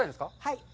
はい。